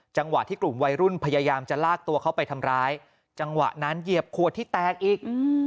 จังหวะที่กลุ่มวัยรุ่นพยายามจะลากตัวเข้าไปทำร้ายจังหวะนั้นเหยียบขวดที่แตกอีก